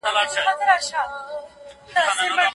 تر لرې